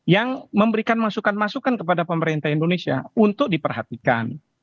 yang memberikan masukan masukan kepada pemerintah indonesia untuk diperhatikan